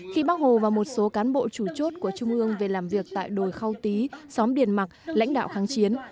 khi bác hồ và một số cán bộ chủ chốt của trung ương về làm việc tại đồi khao tý xóm điện mạc lãnh đạo kháng chiến